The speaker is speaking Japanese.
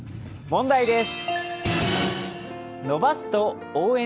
問題です。